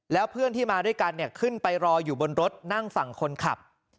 แล้วเพื่อนที่มาด้วยกันเนี่ยขึ้นไปรออยู่บนรถนั่งฝั่งคนขับ